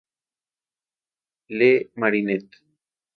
Le Martinet